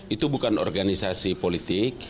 itu bukan organisasi politik